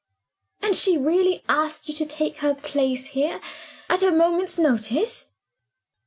"And she really asked you to take her place here, at a moment's notice?"